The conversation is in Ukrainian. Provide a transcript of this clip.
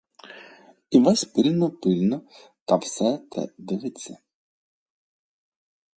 Івась пильно-пильно на все те дивиться.